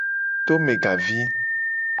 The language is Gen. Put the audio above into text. Tome gavi.